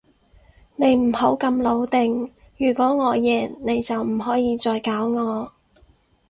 你唔好咁老定，如果我贏，你就唔可以再搞我